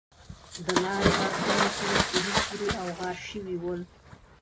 د لارې اړخونه ټول سوري سوري او غار شوي ول.